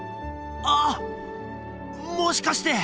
あっもしかして！